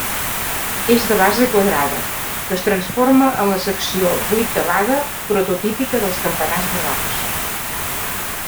És de base quadrada, que es transforma en la secció vuitavada prototípica dels campanars barrocs.